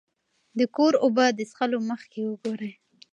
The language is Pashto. د کور اوبه د څښلو مخکې وګورئ.